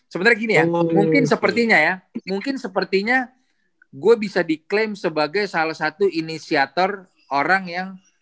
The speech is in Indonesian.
sebenernya gini ya mungkin sepertinya ya mungkin sepertinya gue bisa diklaim sebagai salah satu inisiator orang yang merestorasi lapangan basket